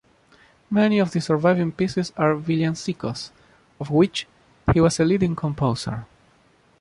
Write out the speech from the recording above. Many of the surviving pieces are villancicos, of which he was a leading composer.